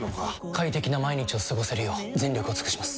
快適な毎日を過ごせるよう全力を尽くします！